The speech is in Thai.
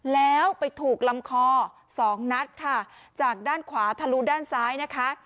แล้วไปถูกลำคอสองนัดค่ะจากด้านขวาทะลุด้านซ้ายนะคะ